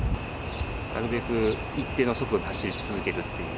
なるべく一定の速度で走り続けるっていう。